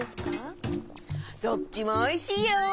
どっちもおいしいよ！